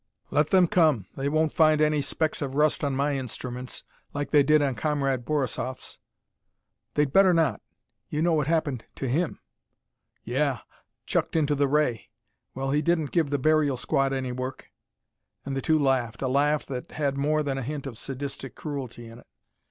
"Let them come. They won't find any specks of rust on my instruments, like they did on Comrade Borisoff's." "They'd better not. You know what happened to him." "Yeah. Chucked into the ray. Well, he didn't give the burial squad any work." And the two laughed, a laugh that had more than a hint of sadistic cruelty in it.